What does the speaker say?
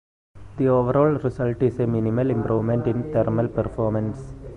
The overall result is a minimal improvement in thermal performance.